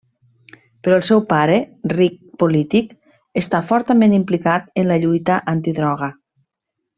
Però el seu pare, ric polític, està fortament implicat en la lluita antidroga.